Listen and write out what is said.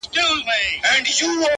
غنمرنگو کي سوالگري پيدا کيږي ـ